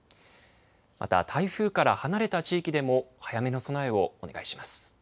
また台風から離れた地域でも早めの備えをお願いします。